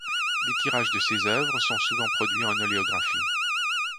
Des tirages de ses œuvres sont souvent produits en oléographie.